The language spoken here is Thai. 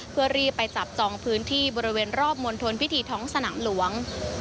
เพื่อรีบไปจับจองพื้นที่บริเวณรอบมณฑลพิธีท้องสนามหลวง